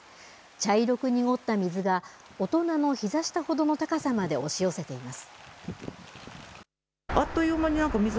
茶色く濁った水が、大人のひざ下ほどの高さまで押し寄せています。